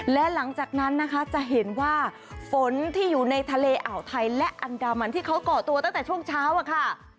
และหลังจากนั้นนะคะจะเห็นว่าฝนที่อยู่ในทะเลอ่าวไทยและอันดามันที่เขาก่อตัวตั้งแต่ช่วงเช้าอะค่ะ